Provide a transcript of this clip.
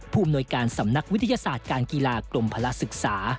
อำนวยการสำนักวิทยาศาสตร์การกีฬากรมพลักษึกษา